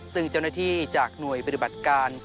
ซึ่งเจ้าหน้าที่จากหน่วยปฏิบัติการ